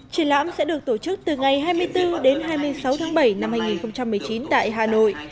triển lãm sẽ được tổ chức từ ngày hai mươi bốn đến hai mươi sáu tháng bảy năm hai nghìn một mươi chín tại hà nội